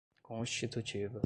constitutivas